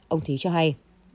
ông thúy cho hay